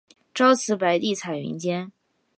朝辞白帝彩云间